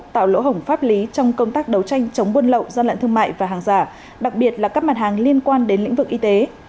tạo lỗ hổng pháp lý trong công tác đấu tranh chống buôn lậu gian lận thương mại và hàng giả đặc biệt là các mặt hàng liên quan đến lĩnh vực y tế